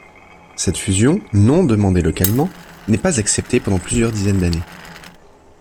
Cette fusion, non demandée localement, n'est pas acceptée pendant plusieurs dizaines d'années.